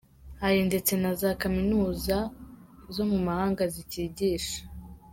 Hari ndetse na za Kaminuza zo mu mahanga zikigisha.